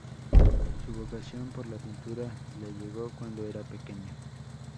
Su vocación por la pintura le llegó cuando era pequeño.